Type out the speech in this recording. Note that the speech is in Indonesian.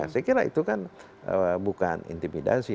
saya kira itu kan bukan intimidasi